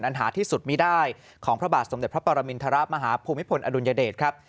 หาที่สุดไม่ได้ของพระบาทสมเด็จพระปรมินทรมาฮภูมิพลอดุลยเดชครับ